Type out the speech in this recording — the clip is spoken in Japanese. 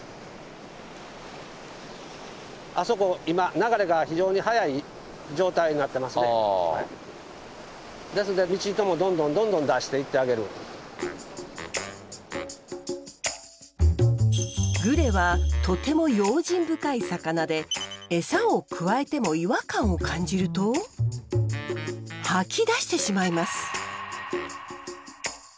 あそこ今ですんでグレはとても用心深い魚でエサをくわえても違和感を感じると吐き出してしまいます。